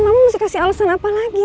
mama mesti kasih alasan apa lagi